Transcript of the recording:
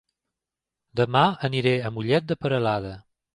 Dema aniré a Mollet de Peralada